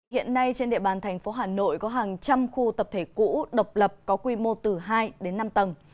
hiện nay trên địa bàn thành phố hà nội có hàng trăm khu tập thể cũ độc lập có quy mô từ hai đến năm tầng